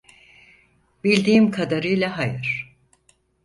Bildiğim kadarıyla hayır.